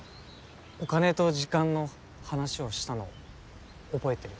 お金と時間の話をしたの覚えてる？